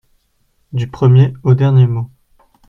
Du premier au dernier mot.